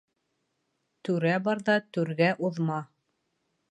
Түрә барҙа түргә уҙма.